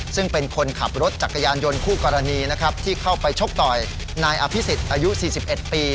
ซึ่งเป็นคนขับรถจักรยานยนต์คู่กรณีนะครับที่เข้าไปชกต่อยนายอภิษฎอายุ๔๑ปี